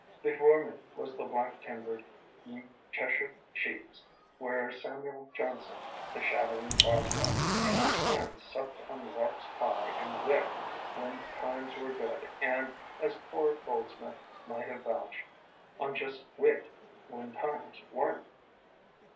Before me was the black timbered "Ye Chesh ire Cheese", where Samuel Johnson, the shadowing Boswell, and his friends supped on larks' pie and wit when times were good and, as poor Gold smith might have vouched, on just wit when times weren't.